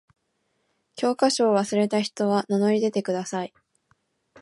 教科書を忘れた人は名乗り出てください。